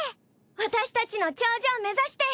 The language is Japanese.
私たちの頂上目指して！